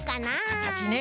かたちね。